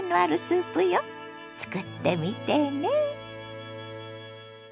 作ってみてね。